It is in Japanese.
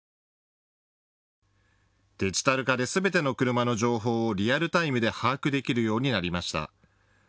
デジタル化ですべての車の情報をリアルタイムで把握できるようになりました。